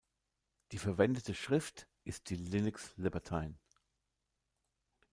Die verwendete Schrift ist die Linux Libertine.